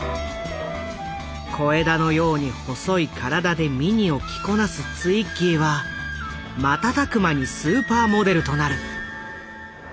小枝のように細い体でミニを着こなすツイッギーは瞬く間にスーパーモデルとなる。